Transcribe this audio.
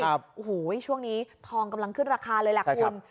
โอ้โหช่วงนี้ทองกำลังขึ้นราคาเลยแหละคุณ